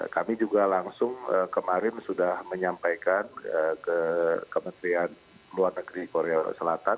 kami juga langsung kemarin sudah menyampaikan ke kementerian luar negeri korea selatan